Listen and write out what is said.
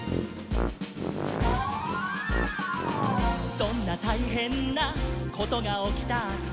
「どんなたいへんなことがおきたって」